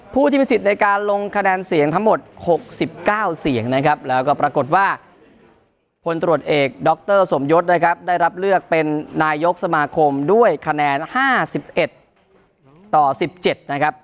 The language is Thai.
ผู้ที่มีสิทธิ์ในการลงคะแนนเสียงทั้งหมดหกสิบเก้าเสียงนะครับแล้วก็ปรากฏว่าพลตรวจเอกด๊อคเตอร์สมยศนะครับได้รับเลือกเป็นนายยกสมาคมด้วยคะแนนห้าสิบเอ็ดต่อสิบเจ็ดนะครับ